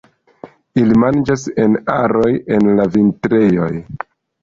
Ili manĝas en aroj en la vintrejoj.